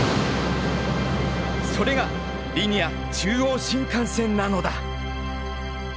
それがリニア中央新幹線なのだ。